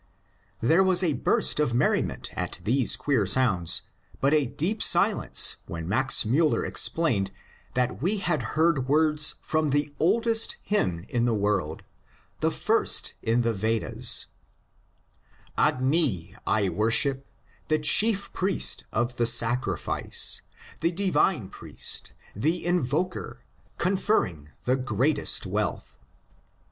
There was a burst of merriment at these queer sounds, but a deep silence when Max Miiller explained that we had heard words from the oldest hymn in the world — the first in the Vedas :^^ Ag^i I worship — the chief priest of the sacrir fice — the divine priest — the invoker — conferring the great est wealth."